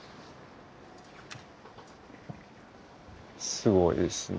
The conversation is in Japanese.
すごいですね。